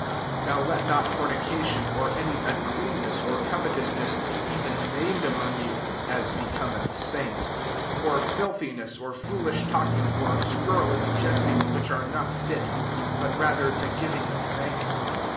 3 NOW let not fornication, or any uncleanness, or covetous ness, be even named among you, (as becometh saints;) 4 of filtki ness, or foolish talking, or scur rilous jesting, which are not fit : but rather the giving of thanks.